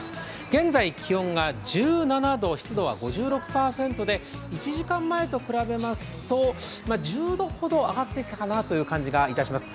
現在気温が１７度、湿度は５６％で１時間前と比べますと１０度ほど上がってきたかなという感じがいたします。